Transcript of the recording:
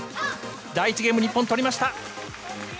第１ゲーム、日本取りました。